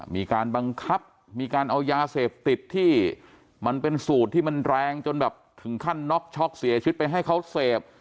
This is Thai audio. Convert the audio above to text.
มีการบังคับมีการเอายาเสพติดที่มันเป็นสูตรที่มันแรงจนแบบถึงขั้นน็อกช็อกเสียชีวิตไปให้เขาเสพ